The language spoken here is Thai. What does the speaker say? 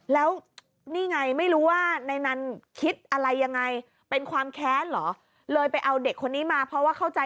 แล้วนี่ไงไม่รู้ว่า